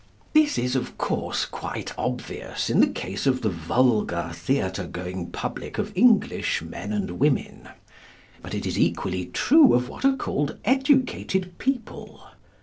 This is, of course, quite obvious in the case of the vulgar theatre going public of English men and women. But it is equally true of what are called educated people.